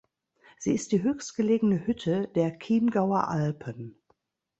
Sie ist die höchstgelegene Hütte der Chiemgauer Alpen.